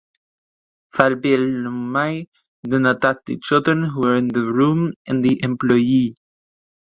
Fabiano Mai then attacked the children who were in the room and the employee.